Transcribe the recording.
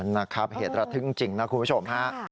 นะครับเหตุระทึกจริงนะคุณผู้ชมฮะ